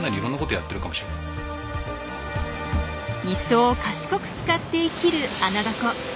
磯を賢く使って生きるアナダコ。